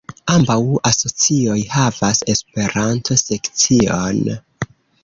Ambaŭ asocioj havas Esperanto-sekcion.